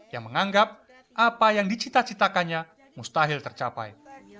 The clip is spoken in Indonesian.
yang menganggap apa yang dicita citakannya mustahil tercapai